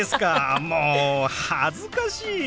もう恥ずかしい。